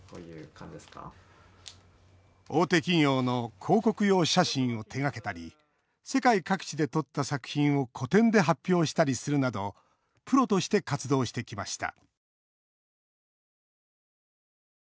大手企業の広告用写真を手がけたり世界各地で撮った作品を個展で発表したりするなどプロとして活動してきました